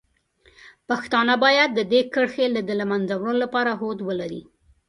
پښتانه باید د دې کرښې د له منځه وړلو لپاره هوډ ولري.